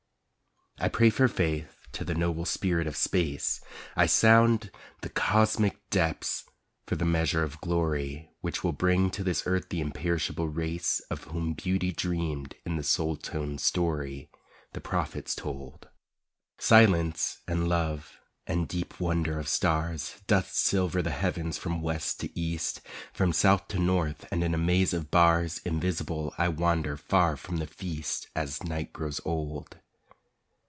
I pray for faith to the noble spirit of Space, I sound the cosmic depths for the measure of glory Which will bring to this earth the imperishable race Of whom Beauty dreamed in the soul toned story The Prophets told. Silence and love and deep wonder of stars Dust silver the heavens from west to east, From south to north, and in a maze of bars Invisible I wander far from the feast As night grows old.